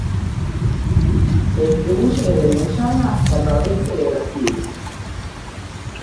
Se distribuye desde Guyana hasta el nordeste de Brasil.